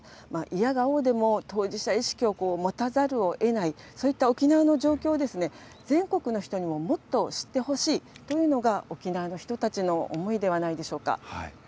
否が応でも当事者意識を持たざるをえない、そういった沖縄の状況をですね、全国の人にももっと知ってほしいというのが、沖縄の人たちの思いではないでしょうか。